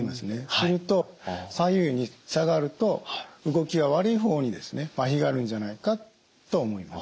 すると左右に差があると動きが悪い方にまひがあるんじゃないかと思います。